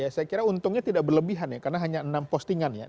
saya kira untungnya tidak berlebihan karena hanya enam postingan